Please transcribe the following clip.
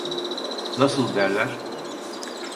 Nasıl derler?